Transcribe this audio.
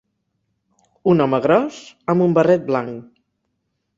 Un home gros amb un barret blanc.